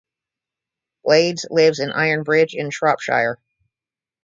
Blades lives in Ironbridge in Shropshire.